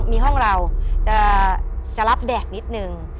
มีห้องเราจะรับแดดนิดนึง